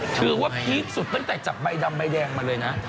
พีคสุดตั้งแต่จับใบดำใบแดงมาเลยนะ